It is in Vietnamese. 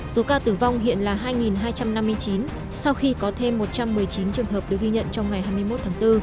số ca tử vong hiện là hai hai trăm năm mươi chín sau khi có thêm một trăm một mươi chín trường hợp được ghi nhận trong ngày hai mươi một tháng bốn